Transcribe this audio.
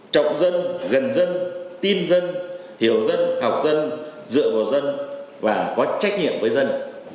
trọng dân gần dân tin dân hiểu dân học dân dựa vào dân